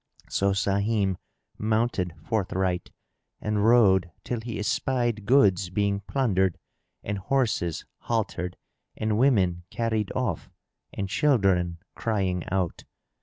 So Sahim mounted forthright and rode till he espied goods being plundered and horses haltered and women carried off and children crying out.